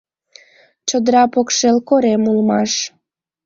Чодыра покшел корем улмаш.